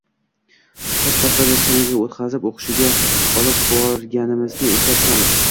Qish faslida chanaga o‘tqazib, o‘qishga olib borganimizni eslab turamiz.